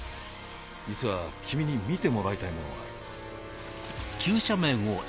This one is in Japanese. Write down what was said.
実は君に見てもらいたいものがある。